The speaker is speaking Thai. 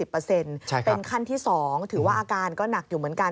เป็นขั้นที่๒ถือว่าอาการก็หนักอยู่เหมือนกัน